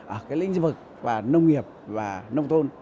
ở lĩnh vực nông nghiệp và nông thôn